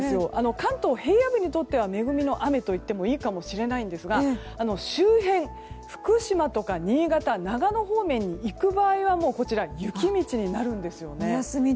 関東南部にとっては恵みの雨になっていいんですが周辺、福島とか新潟長野方面に行く場合は雪道になるんです。